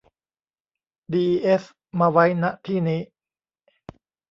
ดีอีเอส มาไว้ ณ ที่นี้